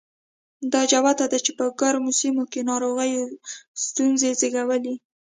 دا جوته ده چې په ګرمو سیمو کې ناروغیو ستونزې زېږولې.